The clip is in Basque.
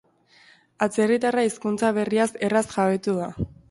Atzerritarra hizkuntza berriaz erraz jabetu da.